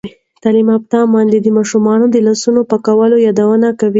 تعلیم یافته میندې د ماشومانو د لاسونو پاکولو یادونه کوي.